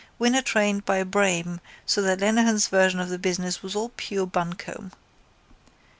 Winner trained by Braime so that Lenehan's version of the business was all pure buncombe.